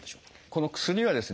この薬はですね